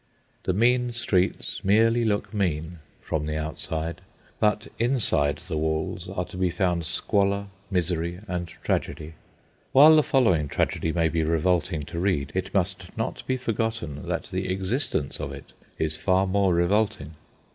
The mean streets merely look mean from the outside, but inside the walls are to be found squalor, misery, and tragedy. While the following tragedy may be revolting to read, it must not be forgotten that the existence of it is far more revolting.